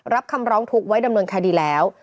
รับคำร้องทุกข์ไว้ดำเนินคดีแล้ว